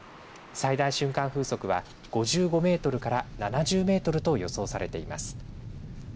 最大瞬間風速は５５メートルから７０メートルと予想されています。